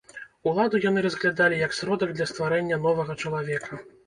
Уладу яны разглядалі як сродак для стварэння новага чалавека.